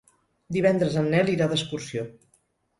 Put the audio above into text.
Divendres en Nel irà d'excursió.